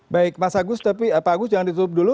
baik mas agus tapi pak agus jangan ditutup dulu